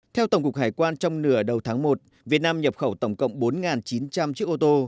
theo tổng cục hải quan trong nửa đầu tháng một việt nam nhập khẩu tổng cộng bốn chín trăm linh chiếc ô tô